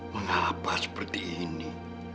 mengapa seperti ini